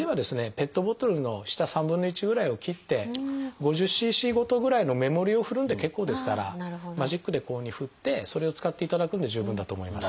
ペットボトルの下３分の１ぐらいを切って５０ｃｃごとぐらいの目盛りを振るので結構ですからマジックでこういうふうに振ってそれを使っていただくので十分だと思います。